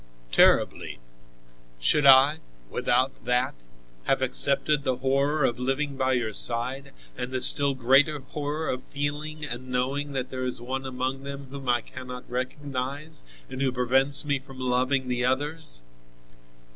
"Terribly. Should I, without that, have accepted the horror of living by your side, and the still greater horror of feeling and knowing that there is one among them whom I cannot recognize and who prevents me from loving the others?"